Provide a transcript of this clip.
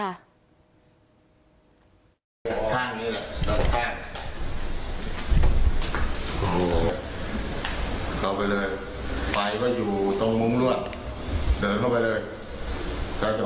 เข้าไปเลยไฟก็อยู่ตรงมุมรวดเดินเข้าไปเลย